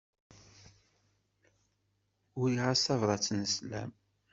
Uriɣ-as tabrat n sslam.